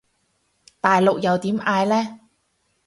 大陸又點嗌呢？